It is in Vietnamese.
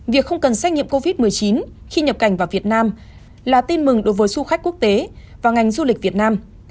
việc không cần xét nghiệm covid một mươi chín khi nhập cảnh vào việt nam là tin mừng đối với du khách quốc tế và ngành du lịch việt nam